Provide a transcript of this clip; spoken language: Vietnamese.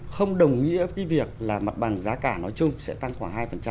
không đồng nghĩa với việc là mặt bằng giá cả nói chung sẽ tăng khoảng hai